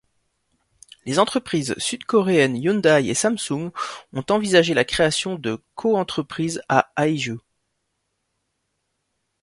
Les entreprises sud-coréennes Hyundai et Samsung ont envisagé la création de coentreprises à Haeju.